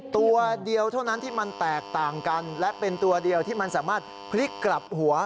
ตัวเดียวเท่านั้นที่มันแตกต่างกันและเป็นตัวเดียวที่มันสามารถพลิกกลับหัว